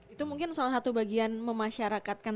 itu mungkin salah satu bagian memasyarakatnya ya kan